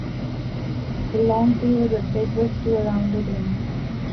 The long tail tapers to a rounded end.